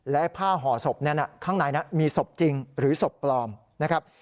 และผ้าห่อศพนั้นข้างในมีศพจริงหรือศพปลอมนะครับ